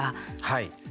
はい。